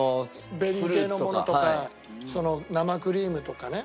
ベリー系のものとか生クリームとかね。